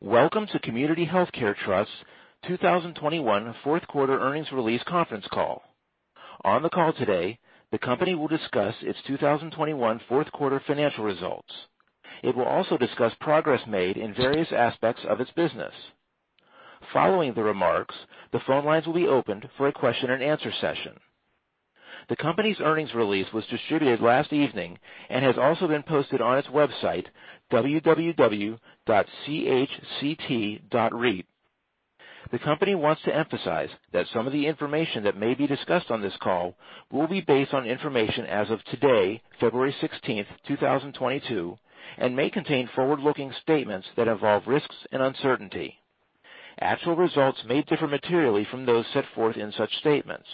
Welcome to Community Healthcare Trust 2021 fourth quarter earnings release conference call. On the call today, the company will discuss its 2021 fourth quarter financial results. It will also discuss progress made in various aspects of its business. Following the remarks, the phone lines will be opened for a question-and-answer session. The company's earnings release was distributed last evening and has also been posted on its website, www.chct.reit. The company wants to emphasize that some of the information that may be discussed on this call will be based on information as of today, February 16, 2022, and may contain forward-looking statements that involve risks and uncertainty. Actual results may differ materially from those set forth in such statements.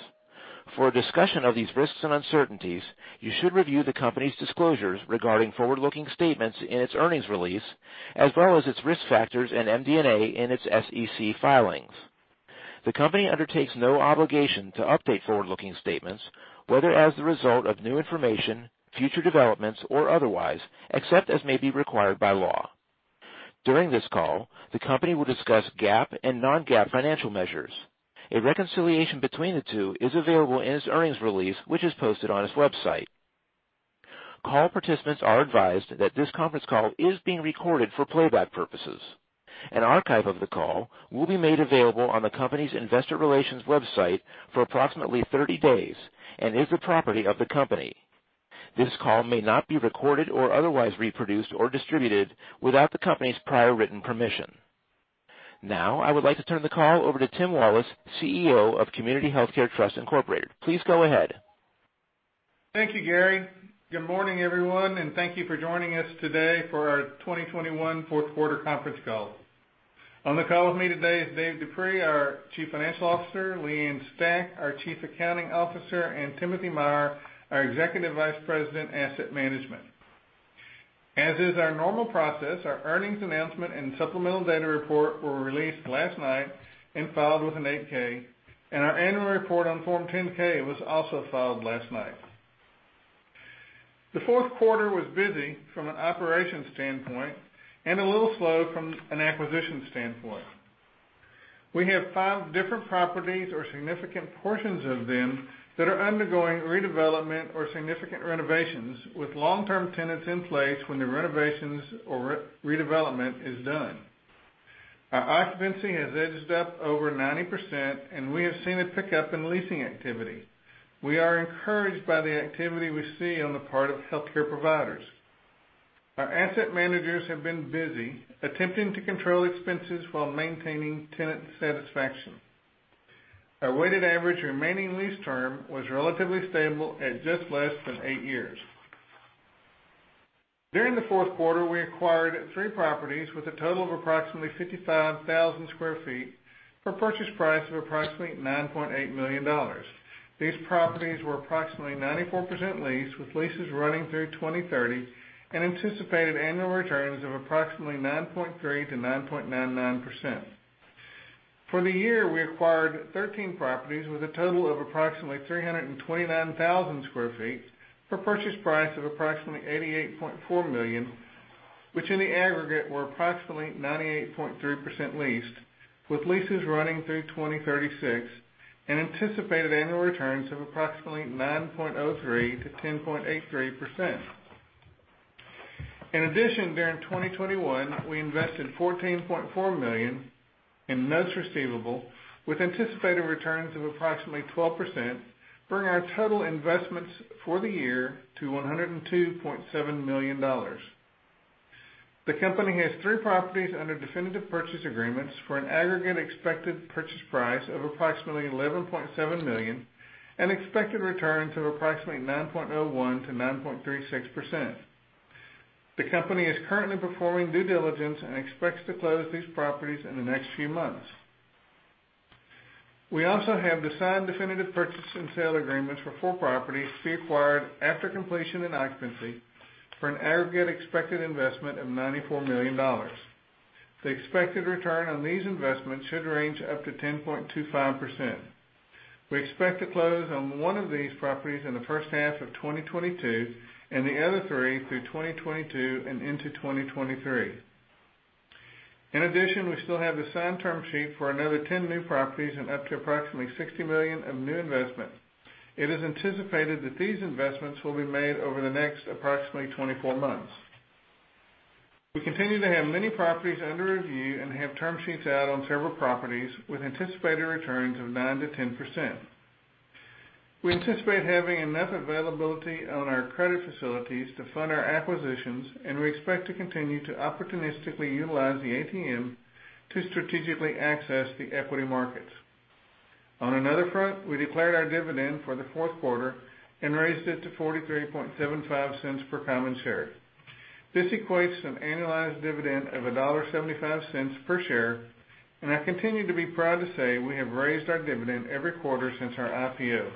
For a discussion of these risks and uncertainties, you should review the company's disclosures regarding forward-looking statements in its earnings release, as well as its risk factors and MD&A in its SEC filings. The company undertakes no obligation to update forward-looking statements, whether as the result of new information, future developments or otherwise, except as may be required by law. During this call, the company will discuss GAAP and non-GAAP financial measures. A reconciliation between the two is available in its earnings release, which is posted on its website. Call participants are advised that this conference call is being recorded for playback purposes. An archive of the call will be made available on the company's investor relations website for approximately thirty days and is the property of the company. This call may not be recorded or otherwise reproduced or distributed without the company's prior written permission. Now I would like to turn the call over to Tim Wallace, CEO of Community Healthcare Trust, Incorporated. Please go ahead. Thank you, Gary. Good morning, everyone, and thank you for joining us today for our 2021 fourth quarter conference call. On the call with me today is David H. Dupuy, our Chief Financial Officer, Leigh Ann Stach, our Chief Accounting Officer, and Timothy L. Meyer, our Executive Vice President, Asset Management. As is our normal process, our earnings announcement and supplemental data report were released last night and filed with an 8-K, and our annual report on Form 10-K was also filed last night. The fourth quarter was busy from an operations standpoint and a little slow from an acquisition standpoint. We have 5 different properties or significant portions of them that are undergoing redevelopment or significant renovations with long-term tenants in place when the renovations or redevelopment is done. Our occupancy has edged up over 90%, and we have seen a pickup in leasing activity. We are encouraged by the activity we see on the part of healthcare providers. Our asset managers have been busy attempting to control expenses while maintaining tenant satisfaction. Our weighted average remaining lease term was relatively stable at just less than eight years. During the fourth quarter, we acquired three properties with a total of approximately 55,000 sq ft for purchase price of approximately $9.8 million. These properties were approximately 94% leased, with leases running through 2030 and anticipated annual returns of approximately 9.3%-9.99%. For the year, we acquired 13 properties with a total of approximately 329,000 sq ft for purchase price of approximately $88.4 million, which in the aggregate were approximately 98.3% leased, with leases running through 2036 and anticipated annual returns of approximately 9.03%-10.83%. In addition, during 2021, we invested $14.4 million in notes receivable with anticipated returns of approximately 12%, bringing our total investments for the year to $102.7 million. The company has three properties under definitive purchase agreements for an aggregate expected purchase price of approximately $11.7 million and expected returns of approximately 9.01%-9.36%. The company is currently performing due diligence and expects to close these properties in the next few months. We also have the signed definitive purchase and sale agreements for four properties to be acquired after completion and occupancy for an aggregate expected investment of $94 million. The expected return on these investments should range up to 10.25%. We expect to close on one of these properties in the first half of 2022 and the other three through 2022 and into 2023. In addition, we still have the signed term sheet for another 10 new properties and up to approximately $60 million of new investment. It is anticipated that these investments will be made over the next approximately 24 months. We continue to have many properties under review and have term sheets out on several properties with anticipated returns of 9%-10%. We anticipate having enough availability on our credit facilities to fund our acquisitions, and we expect to continue to opportunistically utilize the ATM to strategically access the equity markets. On another front, we declared our dividend for the fourth quarter and raised it to $0.4375 per common share. This equates to an annualized dividend of $1.75 per share, and I continue to be proud to say we have raised our dividend every quarter since our IPO.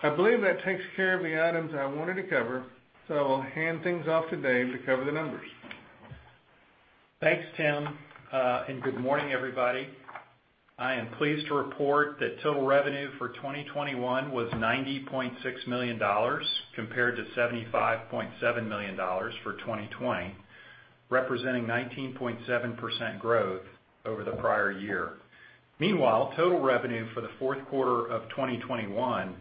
I believe that takes care of the items I wanted to cover, so I'll hand things off to Dave to cover the numbers. Thanks, Tim, and good morning, everybody. I am pleased to report that total revenue for 2021 was $90.6 million compared to $75.7 million for 2020, representing 19.7% growth over the prior year. Meanwhile, total revenue for the fourth quarter of 2021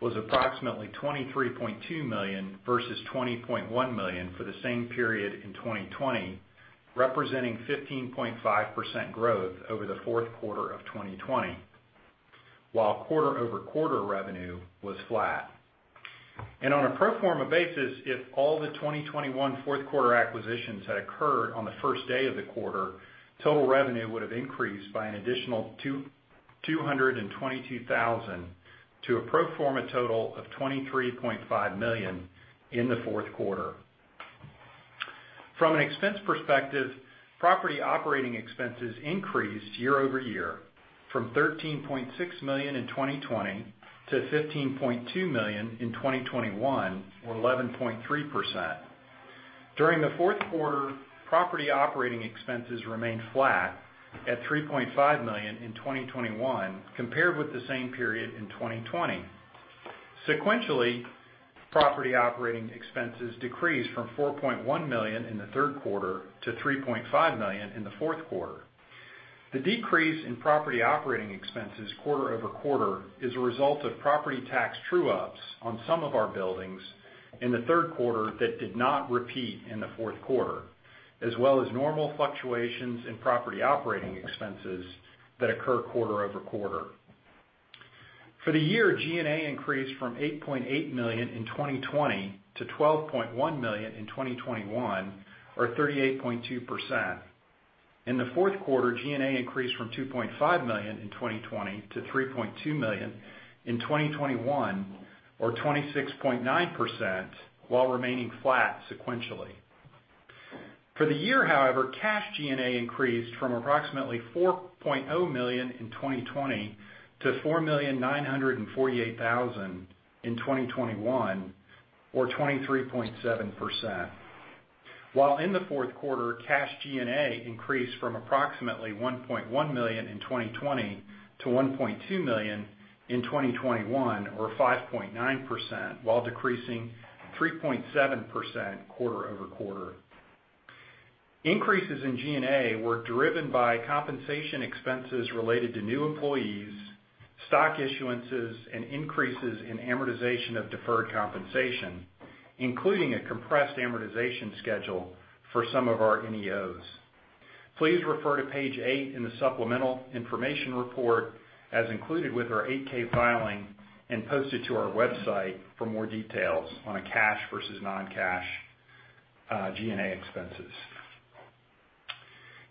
was approximately $23.2 million versus $20.1 million for the same period in 2020, representing 15.5% growth over the fourth quarter of 2020, while quarter-over-quarter revenue was flat. On a pro forma basis, if all the 2021 fourth quarter acquisitions had occurred on the first day of the quarter, total revenue would have increased by an additional $222,000 to a pro forma total of $23.5 million in the fourth quarter. From an expense perspective, property operating expenses increased year-over-year from $13.6 million in 2020 to $15.2 million in 2021, or 11.3%. During the fourth quarter, property operating expenses remained flat at $3.5 million in 2021 compared with the same period in 2020. Sequentially, property operating expenses decreased from $4.1 million in the third quarter to $3.5 million in the fourth quarter. The decrease in property operating expenses quarter-over-quarter is a result of property tax true-ups on some of our buildings in the third quarter that did not repeat in the fourth quarter, as well as normal fluctuations in property operating expenses that occur quarter-over-quarter. For the year, G&A increased from $8.8 million in 2020 to $12.1 million in 2021, or 38.2%. In the fourth quarter, G&A increased from $2.5 million in 2020 to $3.2 million in 2021, or 26.9%, while remaining flat sequentially. For the year, however, cash G&A increased from approximately $4.0 million in 2020 to $4.948 million in 2021, or 23.7%. While in the fourth quarter, cash G&A increased from approximately $1.1 million in 2020 to $1.2 million in 2021, or 5.9%, while decreasing 3.7% quarter-over-quarter. Increases in G&A were driven by compensation expenses related to new employees, stock issuances, and increases in amortization of deferred compensation, including a compressed amortization schedule for some of our NEOs. Please refer to page eight in the supplemental information report, as included with our 8-K filing and posted to our website for more details on a cash versus non-cash G&A expenses.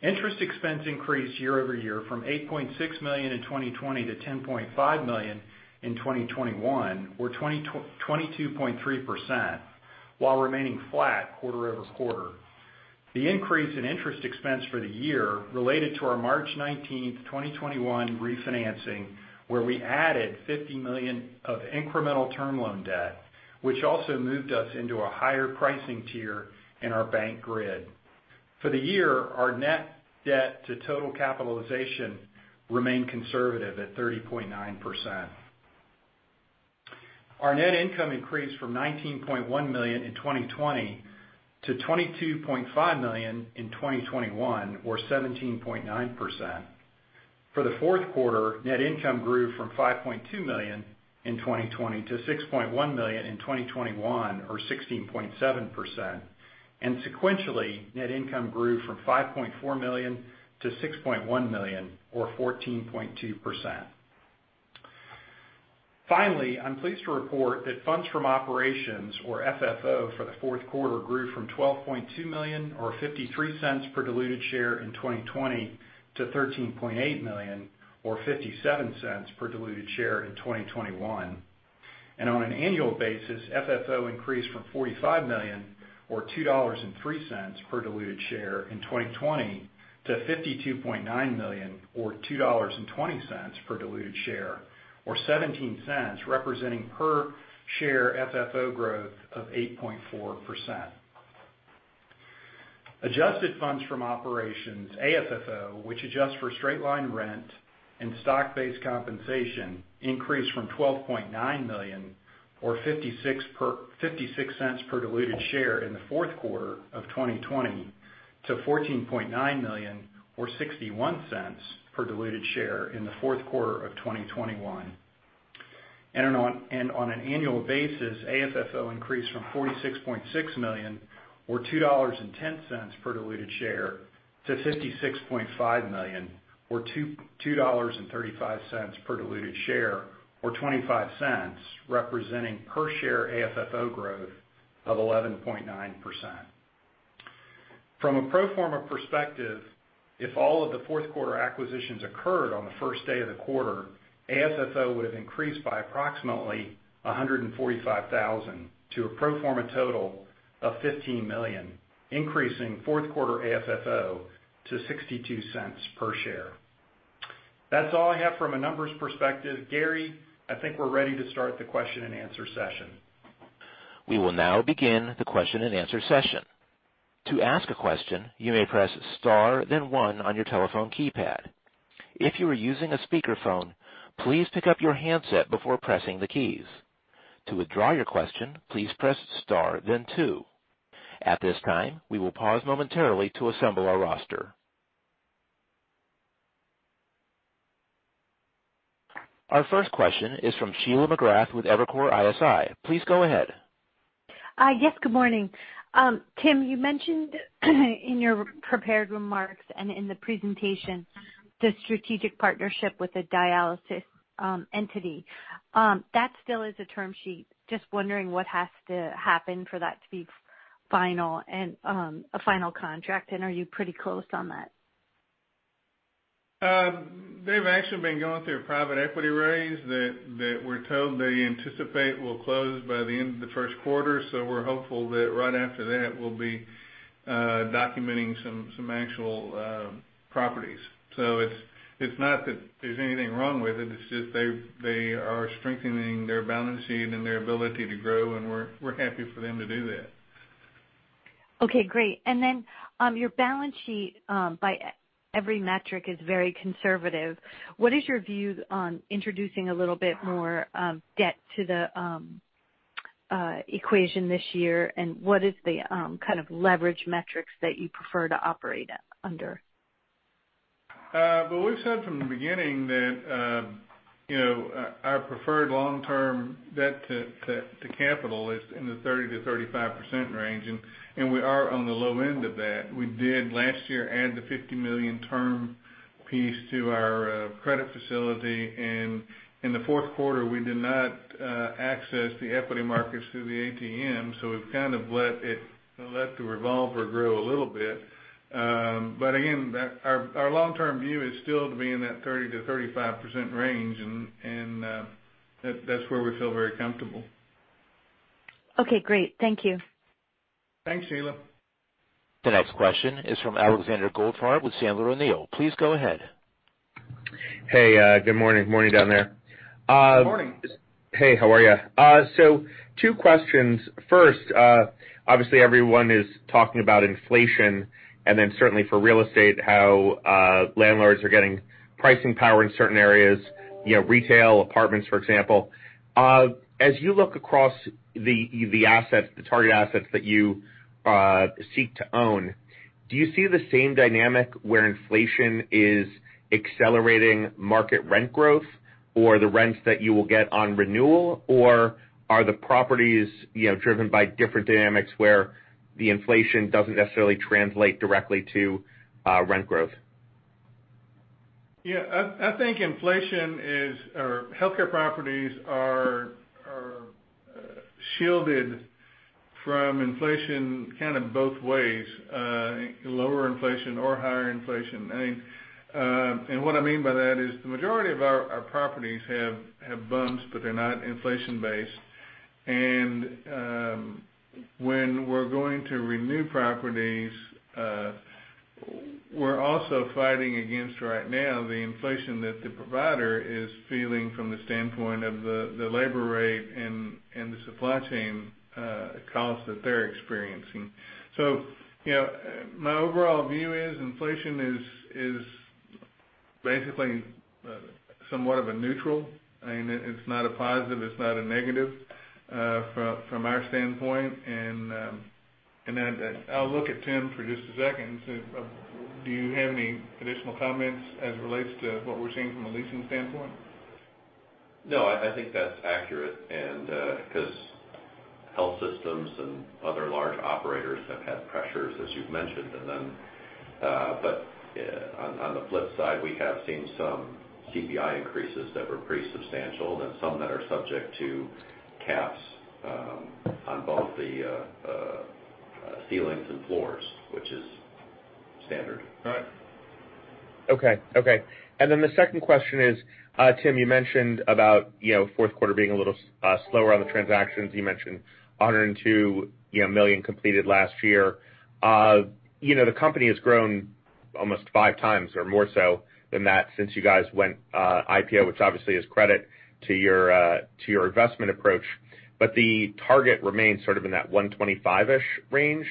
Interest expense increased year-over-year from $8.6 million in 2020 to $10.5 million in 2021, or 22.3%, while remaining flat quarter-over-quarter. The increase in interest expense for the year related to our 19th March 2021 refinancing, where we added $50 million of incremental term loan debt, which also moved us into a higher pricing tier in our bank grid. For the year, our Net Debt to Total Capitalization remained conservative at 30.9%. Our net income increased from $19.1 million in 2020 to $22.5 million in 2021, or 17.9%. For the fourth quarter, net income grew from $5.2 million in 2020 to $6.1 million in 2021, or 16.7%. Sequentially, net income grew from $5.4 million to $6.1 million or 14.2%. Finally, I'm pleased to report that funds from operations, or FFO, for the fourth quarter grew from $12.2 million or $0.53 per diluted share in 2020 to $13.8 million or $0.57 per diluted share in 2021. On an annual basis, FFO increased from $45 million or $2.03 per diluted share in 2020 to $52.9 million or $2.20 per diluted share, or $0.17, representing per share FFO growth of 8.4%. Adjusted funds from operations, AFFO, which adjusts for straight-line rent and stock-based compensation, increased from $12.9 million or $0.56 per diluted share in the fourth quarter of 2020 to $14.9 million or $0.61 per diluted share in the fourth quarter of 2021. On an annual basis, AFFO increased from $46.6 million or $2.10 per diluted share to $56.5 million or $2.35 per diluted share, representing per share AFFO growth of 0.25 or 11.9%. From a pro forma perspective, if all of the fourth quarter acquisitions occurred on the first day of the quarter, AFFO would have increased by approximately $145,000 to a pro forma total of $15 million, increasing fourth quarter AFFO to $0.62 per share. That's all I have from a numbers perspective. Gary, I think we're ready to start the question-and-answer session. We will now begin the question-and-answer session. To ask a question, you may press Star then 1 on your telephone keypad. If you are using a speakerphone, please pick up your handset before pressing the keys. To withdraw your question, please press Star then two. At this time, we will pause momentarily to assemble our roster. Our first question is from Sheila McGrath with Evercore ISI. Please go ahead. Yes, good morning. Tim, you mentioned in your prepared remarks and in the presentation the strategic partnership with the dialysis entity. That still is a term sheet. Just wondering what has to happen for that to be final and a final contract, and are you pretty close on that? They've actually been going through a private equity raise that we're told they anticipate will close by the end of the first quarter. We're hopeful that right after that, we'll be documenting some actual properties. It's not that there's anything wrong with it's just they are strengthening their balance sheet and their ability to grow, and we're happy for them to do that. Okay, great. Your balance sheet, by every metric is very conservative. What is your view on introducing a little bit more debt to the equation this year, and what is the kind of leverage metrics that you prefer to operate at under? Well, we've said from the beginning that, you know, our preferred long-term debt to capital is in the 30%-35% range, and we are on the low end of that. We did, last year, add the $50 million term piece to our credit facility, and in the fourth quarter, we did not access the equity markets through the ATM, so we've kind of let the revolver grow a little bit. Again, our long-term view is still to be in that 30%-35% range and that that's where we feel very comfortable. Okay, great. Thank you. Thanks, Sheila. The next question is from Alexander Goldfarb with Piper Sandler. Please go ahead. Hey, good morning. Morning down there. Good morning. Hey, how are you? Two questions. First, obviously everyone is talking about inflation, and then certainly for real estate, how landlords are getting pricing power in certain areas, you know, retail, apartments, for example. As you look across the assets, the target assets that you seek to own, do you see the same dynamic where inflation is accelerating market rent growth or the rents that you will get on renewal, or are the properties, you know, driven by different dynamics where the inflation doesn't necessarily translate directly to rent growth? Yeah, I think healthcare properties are shielded from inflation kind of both ways, lower inflation or higher inflation. I mean, what I mean by that is the majority of our properties have bumps, but they're not inflation based. When we're going to renew properties, we're also fighting against right now the inflation that the provider is feeling from the standpoint of the labor rate and the supply chain cost that they're experiencing. You know, my overall view is inflation is basically somewhat of a neutral. I mean, it's not a positive, it's not a negative, from our standpoint. Then I'll look at Tim for just a second. Do you have any additional comments as it relates to what we're seeing from a leasing standpoint? No, I think that's accurate and 'cause health systems and other large operators have had pressures, as you've mentioned, and then, but on the flip side, we have seen some CPI increases that were pretty substantial and some that are subject to caps on both the ceilings and floors, which is standard. Right. Okay. The second question is, Tim, you mentioned about, you know, fourth quarter being a little slower on the transactions. You mentioned $102 million completed last year. You know, the company has grown almost five times or more so than that since you guys went IPO, which obviously is credit to your to your investment approach, but the target remains sort of in that $125-ish range.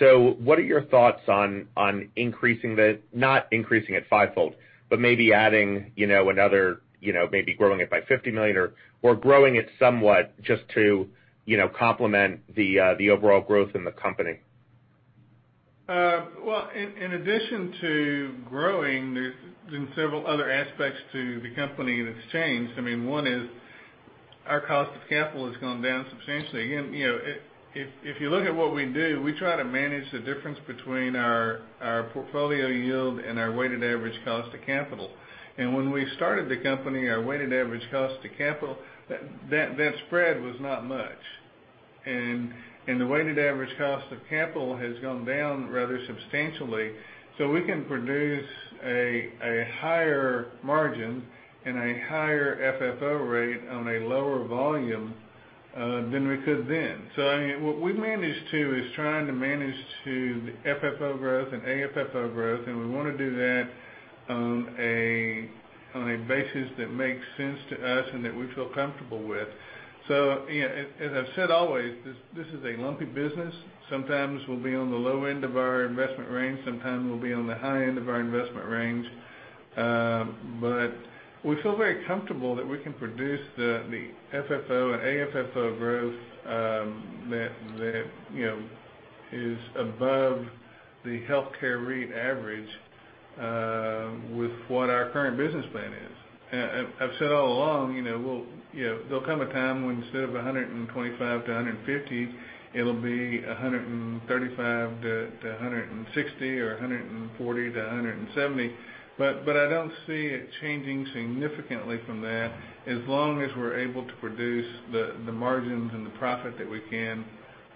What are your thoughts on increasing the not increasing it fivefold, but maybe adding, you know, another, you know, maybe growing it by $50 million or growing it somewhat just to, you know, complement the the overall growth in the company? Well, in addition to growing, there's been several other aspects to the company that's changed. I mean, one is our cost of capital has gone down substantially. Again, you know, if you look at what we do, we try to manage the difference between our portfolio yield and our Weighted Average Cost of Capital. When we started the company, our Weighted Average Cost of Capital, that spread was not much. The Weighted Average Cost of Capital has gone down rather substantially. We can produce a higher margin and a higher FFO rate on a lower volume than we could then. I mean, what we've managed to is trying to manage to the FFO growth and AFFO growth, and we wanna do that on a basis that makes sense to us and that we feel comfortable with. You know, as I've said always, this is a lumpy business. Sometimes we'll be on the low end of our investment range, sometimes we'll be on the high end of our investment range. But we feel very comfortable that we can produce the FFO and AFFO growth, that you know, is above the healthcare REIT average, with what our current business plan is. I've said all along, you know, we'll, you know, there'll come a time when instead of 125-150, it'll be 135-160 or 140-170. I don't see it changing significantly from that as long as we're able to produce the margins and the profit that we can.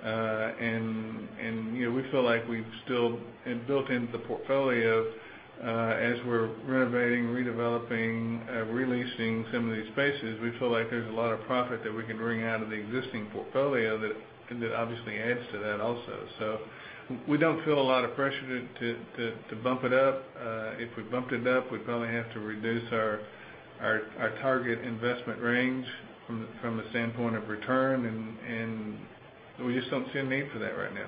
You know, we feel like we've still and built into the portfolio as we're renovating, redeveloping, re-leasing some of these spaces, we feel like there's a lot of profit that we can wring out of the existing portfolio that obviously adds to that also. We don't feel a lot of pressure to bump it up. If we bumped it up, we'd probably have to reduce our target investment range from the standpoint of return and we just don't see a need for that right now.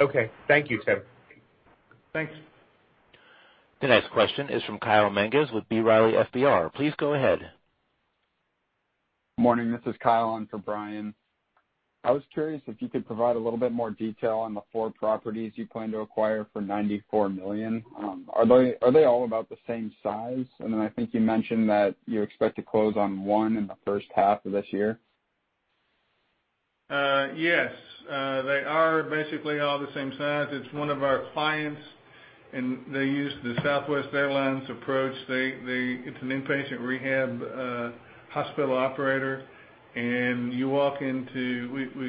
Okay. Thank you, Tim. Thanks. The next question is from Kyle Mangas with B. Riley Securities. Please go ahead. Morning. This is Kyle on for Brian. I was curious if you could provide a little bit more detail on the four properties you plan to acquire for $94 million. Are they all about the same size? I think you mentioned that you expect to close on one in the first half of this year. Yes. They are basically all the same size. It's one of our clients, and they use the Southwest Airlines approach. It's an inpatient rehab hospital operator. We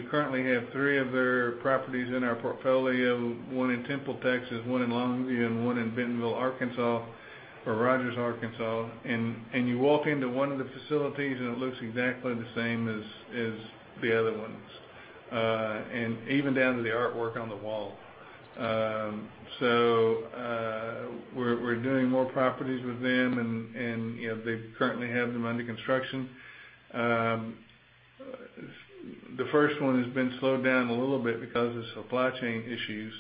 currently have three of their properties in our portfolio, one in Temple, Texas, one in Longview, and one in Bentonville, Arkansas, or Rogers, Arkansas. You walk into one of the facilities, and it looks exactly the same as the other ones, even down to the artwork on the wall. We're doing more properties with them, and you know, they currently have them under construction. The first one has been slowed down a little bit because of supply chain issues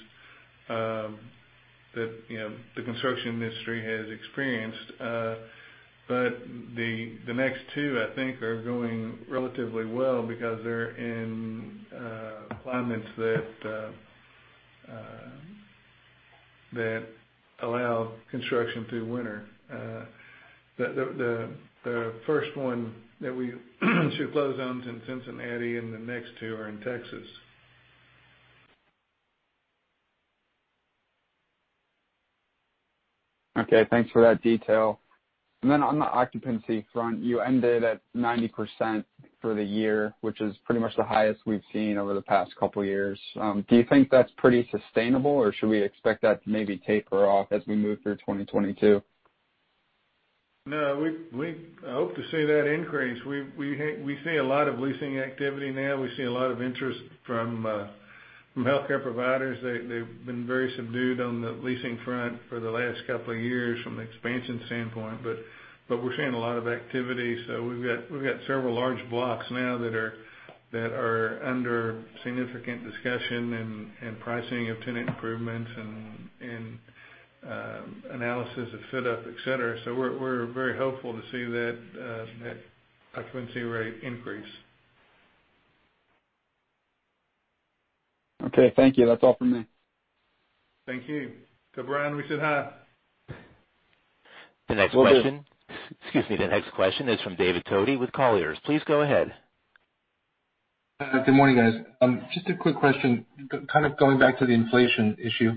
that you know, the construction industry has experienced. The next two, I think, are going relatively well because they're in climates that allow construction through winter. The first one that we should close on is in Cincinnati, and the next two are in Texas. Okay, thanks for that detail. Then on the occupancy front, you ended at 90% for the year, which is pretty much the highest we've seen over the past couple years. Do you think that's pretty sustainable, or should we expect that to maybe taper off as we move through 2022? No, I hope to see that increase. We see a lot of leasing activity now. We see a lot of interest from healthcare providers. They've been very subdued on the leasing front for the last couple of years from an expansion standpoint, but we're seeing a lot of activity. We've got several large blocks now that are under significant discussion and pricing of tenant improvements and analysis of fit up, et cetera. We're very hopeful to see that occupancy rate increase. Okay, thank you. That's all for me. Thank you. Tell Brian we said hi. Will do. The next question. Excuse me. The next question is from David Toti with Colliers. Please go ahead. Good morning, guys. Just a quick question, kind of going back to the inflation issue.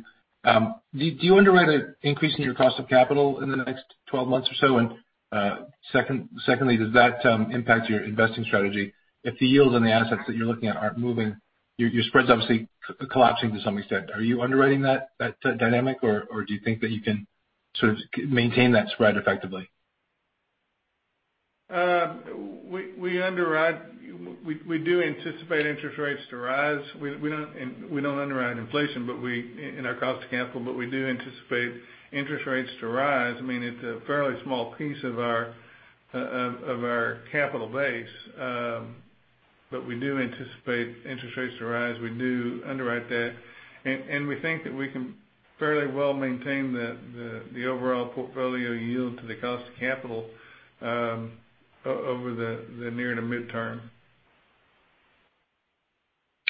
Do you underwrite an increase in your cost of capital in the next twelve months or so? Secondly, does that impact your investing strategy? If the yields on the assets that you're looking at aren't moving, your spread's obviously collapsing to some extent. Are you underwriting that dynamic, or do you think that you can sort of maintain that spread effectively? We do anticipate interest rates to rise. We don't underwrite inflation in our cost of capital, but we do anticipate interest rates to rise. I mean, it's a fairly small piece of our capital base. But we do anticipate interest rates to rise. We do underwrite that. We think that we can fairly well maintain the overall portfolio yield to the cost of capital over the near to mid-term.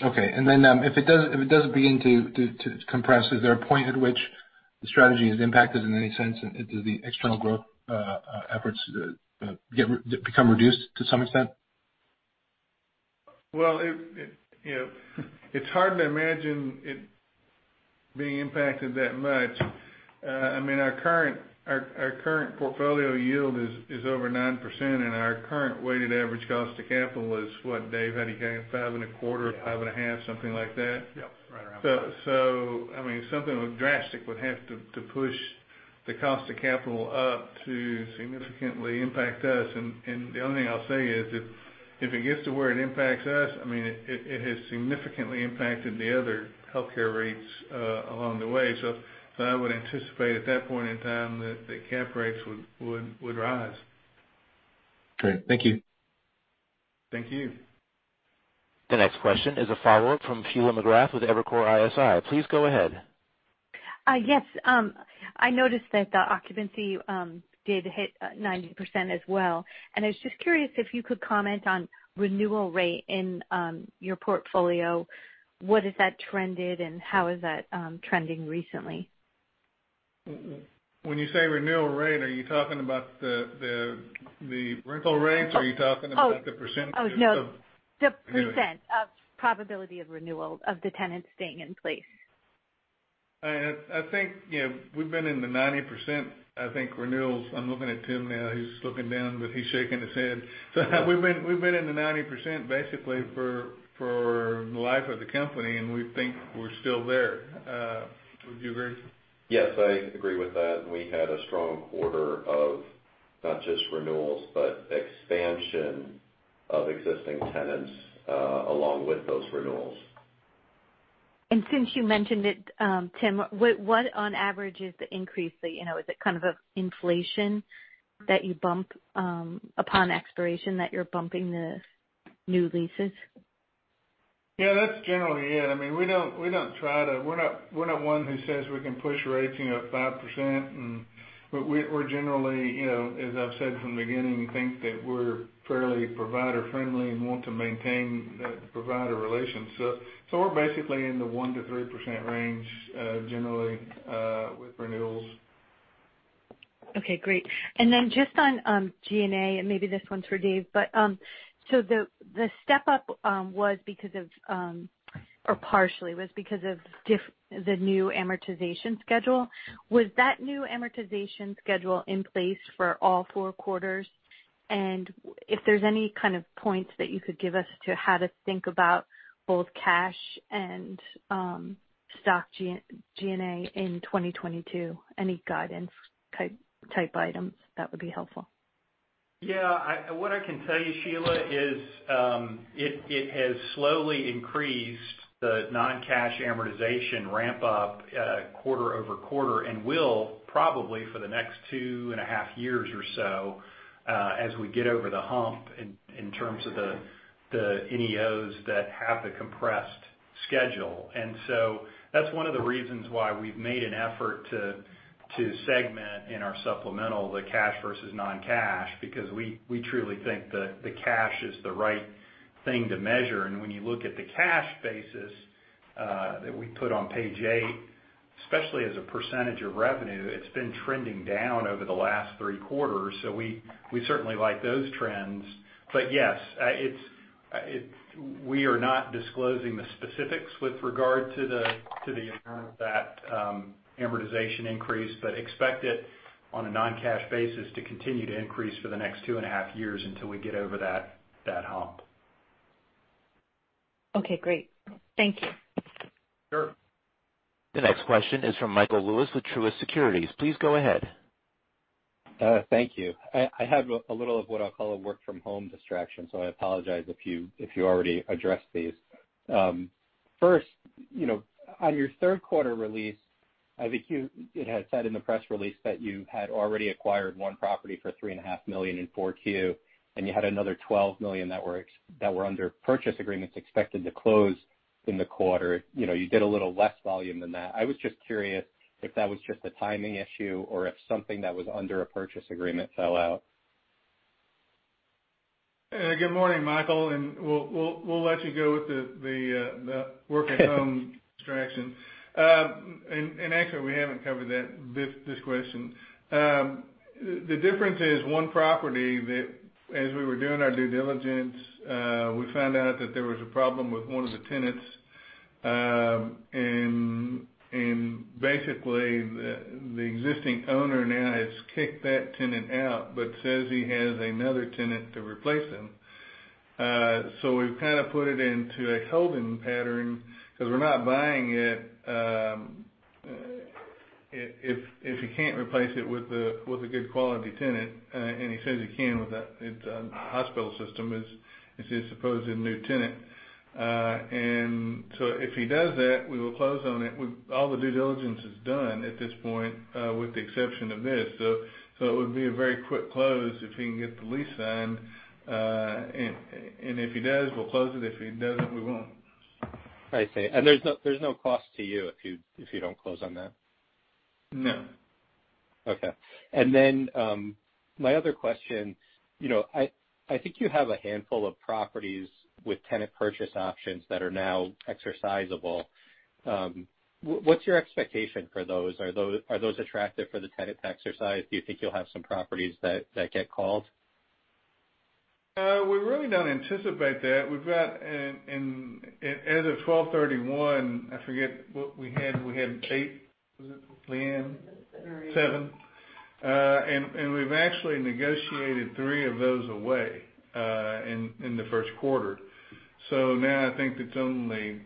Okay. If it does begin to compress, is there a point at which the strategy is impacted in any sense, and do the external growth efforts become reduced to some extent? Well, you know, it's hard to imagine it being impacted that much. I mean, our current portfolio yield is over 9%, and our current weighted average cost of capital is what, Dave Dupuy, had you gotten? 5.25 Yeah. 5.5, something like that? Yep, right around five. I mean, something drastic would have to push the cost of capital up to significantly impact us. The only thing I'll say is if it gets to where it impacts us, I mean it has significantly impacted the other healthcare REITs along the way. I would anticipate at that point in time that the cap rates would rise. Great. Thank you. Thank you. The next question is a follow-up from Sheila McGrath with Evercore ISI. Please go ahead. Yes. I noticed that the occupancy did hit 90% as well. I was just curious if you could comment on renewal rate in your portfolio. What has that trended and how is that trending recently? When you say renewal rate, are you talking about the rental rates, or are you talking about the percentages of- The percent of probability of renewal of the tenants staying in place. I think, you know, we've been in the 90%, I think, renewals. I'm looking at Tim now. He's looking down, but he's shaking his head. We've been in the 90% basically for the life of the company, and we think we're still there. Would you agree? Yes, I agree with that. We had a strong quarter of not just renewals, but expansion of existing tenants, along with those renewals. Since you mentioned it, Tim, what on average is the increase that, you know, is it kind of inflation that you bump upon expiration that you're bumping the new leases? Yeah, that's generally it. I mean, we're not one who says we can push rates, you know, up 5%. We're generally, you know, as I've said from the beginning, think that we're fairly provider friendly and want to maintain that provider relationship. We're basically in the 1%-3% range, generally, with renewals. Okay, great. Then just on G&A, and maybe this one's for Dave. The step up was because of, or partially was because of the new amortization schedule. Was that new amortization schedule in place for all 4 quarters? If there's any kind of points that you could give us to how to think about both cash and stock G&A in 2022, any guidance type items, that would be helpful. Yeah. What I can tell you, Sheila, is, it has slowly increased the non-cash amortization ramp up, quarter-over-quarter, and will probably for the next two and a half years or so, as we get over the hump in terms of the NEOs that have the compressed schedule. That's one of the reasons why we've made an effort to segment in our supplemental the cash versus non-cash, because we truly think the cash is the right thing to measure. When you look at the cash basis, that we put on page eight, especially as a percentage of revenue, it's been trending down over the last three quarters. We certainly like those trends. Yes, we are not disclosing the specifics with regard to the amount of that amortization increase, but expect it on a non-cash basis to continue to increase for the next two and a half years until we get over that hump. Okay, great. Thank you. Sure. The next question is from Michael Lewis with Truist Securities. Please go ahead. Thank you. I had a little of what I'll call a work from home distraction, so I apologize if you already addressed these. First, you know, on your third quarter release, I think it had said in the press release that you had already acquired one property for $3.5 million in 4Q, and you had another $12 million that were under purchase agreements expected to close in the quarter. You know, you did a little less volume than that. I was just curious if that was just a timing issue or if something that was under a purchase agreement fell out. Good morning, Michael, and we'll let you go with the work at home distraction. Actually, we haven't covered that this question. The difference is one property that as we were doing our due diligence, we found out that there was a problem with one of the tenants. Basically, the existing owner now has kicked that tenant out, but says he has another tenant to replace him. We've kind of put it into a holding pattern because we're not buying it, if he can't replace it with a good quality tenant, and he says he can with a hospital system. It's his supposed new tenant. If he does that, we will close on it. All the due diligence is done at this point, with the exception of this. It would be a very quick close if he can get the lease signed. If he does, we'll close it. If he doesn't, we won't. I see. There's no cost to you if you don't close on that? No. Okay. My other question, you know, I think you have a handful of properties with tenant purchase options that are now exercisable. What's your expectation for those? Are those attractive for the tenant to exercise? Do you think you'll have some properties that get called? We really don't anticipate that. We've got as of 12/31, I forget what we had. We had eight, was it Leanne? seven. We've actually negotiated three of those away in the first quarter. Now I think it's only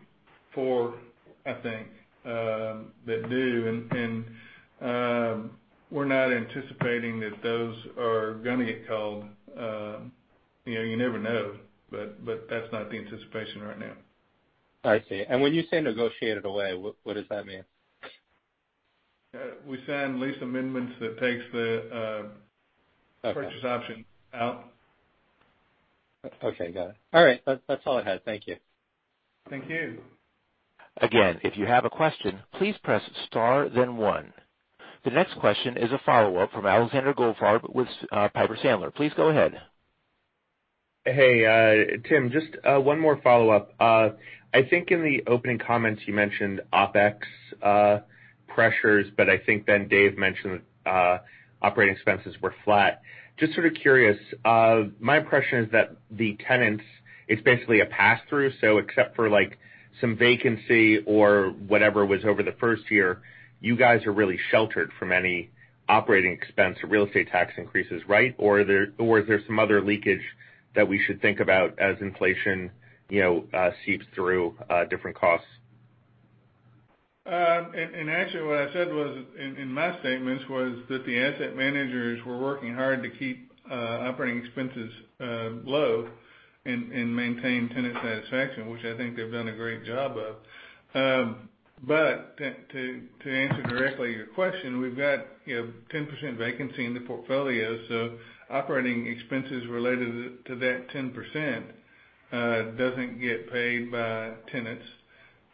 four, I think, that do. We're not anticipating that those are gonna get called. You know, you never know, but that's not the anticipation right now. I see. When you say negotiated away, what does that mean? We sign lease amendments that takes the Okay. purchase option out. Okay, got it. All right. That's all I had. Thank you. Thank you. Again, if you have a question, please press star then one. The next question is a follow-up from Alexander Goldfarb with Piper Sandler. Please go ahead. Hey, Tim, just one more follow-up. I think in the opening comments you mentioned OpEx pressures, but I think then Dave mentioned operating expenses were flat. Just sort of curious. My impression is that the tenants, it's basically a pass-through, so except for like some vacancy or whatever was over the first year, you guys are really sheltered from any operating expense or real estate tax increases, right? Or is there some other leakage that we should think about as inflation, you know, seeps through different costs? Actually what I said was, in my statements, was that the asset managers were working hard to keep operating expenses low and maintain tenant satisfaction, which I think they've done a great job of. To answer directly your question, we've got, you know, 10% vacancy in the portfolio, so operating expenses related to that 10% doesn't get paid by tenants.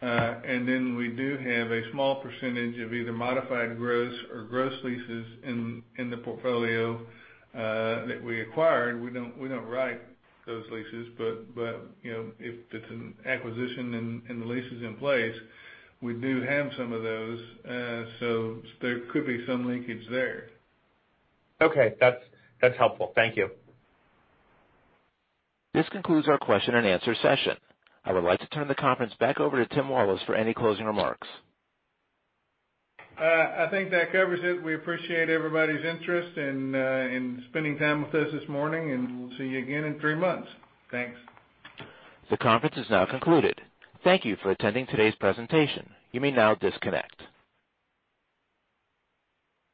Then we do have a small percentage of either modified gross or gross leases in the portfolio that we acquired. We don't write those leases. You know, if it's an acquisition and the lease is in place, we do have some of those. There could be some leakage there. Okay. That's helpful. Thank you. This concludes our question and answer session. I would like to turn the conference back over to Tim Wallace for any closing remarks. I think that covers it. We appreciate everybody's interest and spending time with us this morning, and we'll see you again in three months. Thanks. The conference is now concluded. Thank you for attending today's presentation. You may now disconnect.